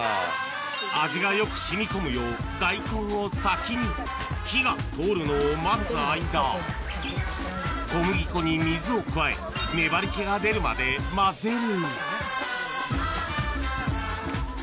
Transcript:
味がよく染み込むよう大根を先に火が通るのを待つ間小麦粉に水を加え粘り気が出るまで混ぜる